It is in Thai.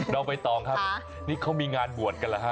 นอกไปต่อครับนี่เค้ามีงานบวนกันเหรอฮะ